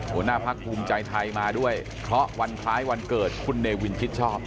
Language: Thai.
หัวหน้าพักภูมิใจไทยมาด้วยเพราะวันคล้ายวันเกิดคุณเนวินชิดชอบ